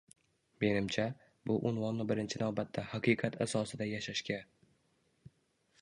Menimcha, bu unvonni birinchi navbatda “haqiqat asosida yashashga”